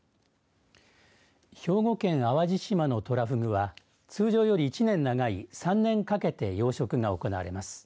兵庫県淡路島のトラフグは通常より１年長い３年かけて養殖が行われます。